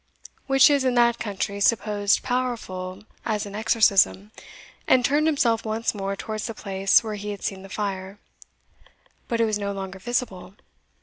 which is in that country supposed powerful as an exorcism, and turned himself once more towards the place where he had seen the fire. But it was no longer visible.